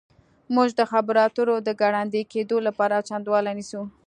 موږ د خبرو اترو د ګړندي کیدو لپاره چمتووالی نیسو